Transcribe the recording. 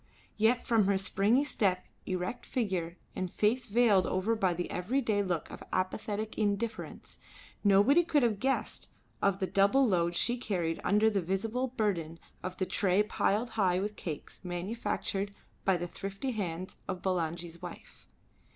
Yet from her springy step, erect figure, and face veiled over by the everyday look of apathetic indifference, nobody could have guessed of the double load she carried under the visible burden of the tray piled up high with cakes manufactured by the thrifty hands of Bulangi's wives.